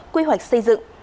quy hoạch xây dựng